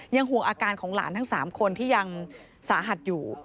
ห่วงอาการของหลานทั้ง๓คนที่ยังสาหัสอยู่